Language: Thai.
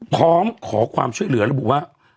พร้อมขอความช่วยเหลือระบุว่า